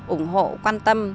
ủng hộ quan tâm